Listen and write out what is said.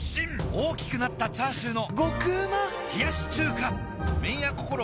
大きくなったチャーシューの麺屋こころ